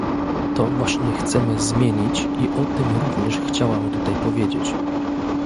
To właśnie chcemy zmienić i o tym również chciałam tutaj powiedzieć